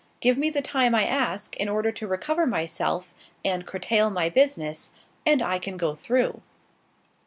Give me the time I ask, in order to recover myself and curtail my business, and I can go through."